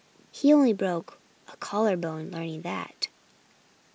He only broke a collar bone learning that.